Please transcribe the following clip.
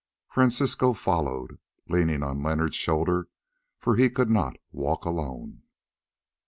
Francisco followed, leaning on Leonard's shoulder, for he could not walk alone.